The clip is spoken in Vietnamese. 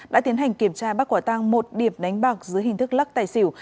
đã tiến hành kiểm tra bắt quả tăng một điểm đánh bạc dưới hình thức lắc tài xỉu